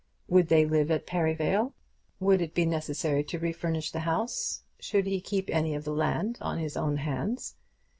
Would they live at Perivale? Would it be necessary to refurnish the house? Should he keep any of the land on his own hands?